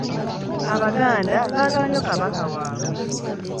Abaganda baagala nnyo Kabaka waabwe.